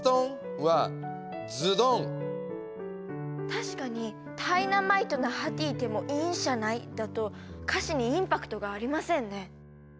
確かに「タイナマイトなハティてもいいんしゃない」だと歌詞にインパクトがありませんね。